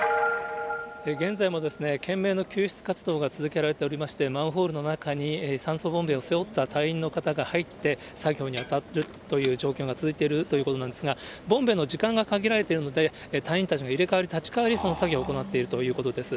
現在も懸命の救出活動が続けられておりまして、マンホールの中に酸素ボンベを背負った隊員の方が入って、作業に当たっているという状況が続いているということなんですが、ボンベの時間が限られているので、隊員たちも入れ代わり立ち代わり、作業を行っているということです。